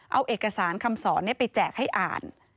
เอาเอกสารคำสอนไปแจกให้อ่าน